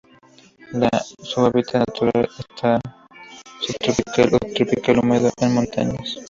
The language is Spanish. Su hábitat natural es subtropical o tropical húmedo de montañas.